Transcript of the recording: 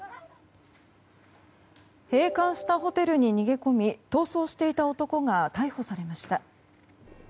閉館したホテルに逃げ込み逃走していた男が逮捕されました。